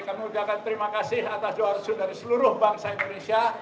kami ucapkan terima kasih atas doa resul dari seluruh bangsa indonesia